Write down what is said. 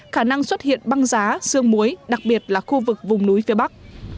khả năng xuất hiện băng giá xương muối đặc biệt là khu vực vùng núi phía bắc